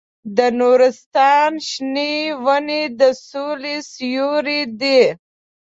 د نورستان شنې ونې د سولې سیوري دي.